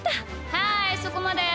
はいそこまで！